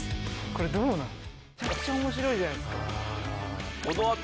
これどうなるの？